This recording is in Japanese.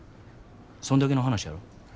そんだけの話やろ。